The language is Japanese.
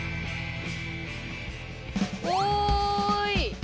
おい。